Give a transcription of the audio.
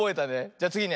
じゃつぎね。